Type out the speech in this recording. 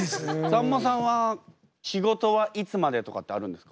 さんまさんは仕事はいつまでとかってあるんですか？